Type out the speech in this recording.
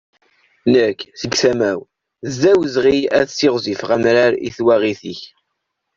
Nek, seg tama-w, d awezɣi ad siɣzefeɣ amrar i twaɣit-ik.